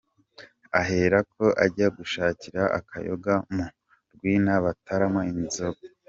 Aherako ajya gushakira akayoga mu rwina bataramo inzagwa.